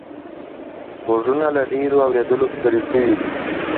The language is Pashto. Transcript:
غوږونه له ډیرو اوریدلو ستړي سوي دي.